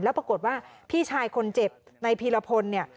แล้วปรากฏว่าพี่ชายคนเจ็บในพีรพลเนี่ย